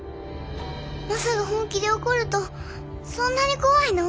マサが本気で怒るとそんなに怖いの？